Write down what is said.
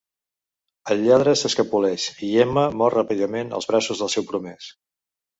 El lladre s'escapoleix i Emma mor ràpidament als braços del seu promès.